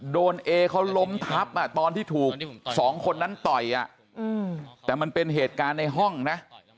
เอเขาล้มทับตอนที่ถูกสองคนนั้นต่อยแต่มันเป็นเหตุการณ์ในห้องนะ